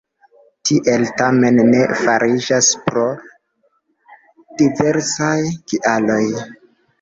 Tiel tamen ne fariĝas, pro diversaj kialoj.